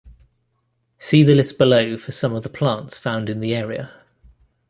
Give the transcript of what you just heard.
See the list below for some of the plants found in the area.